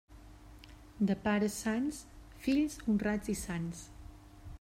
De pares sans, fills honrats i sants.